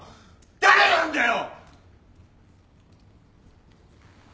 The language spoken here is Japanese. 誰なんだよ！？